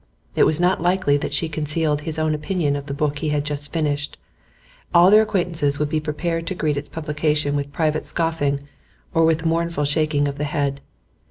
It was not likely that she concealed his own opinion of the book he had just finished; all their acquaintances would be prepared to greet its publication with private scoffing or with mournful shaking of the head.